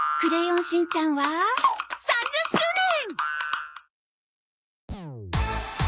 『クレヨンしんちゃん』は３０周年！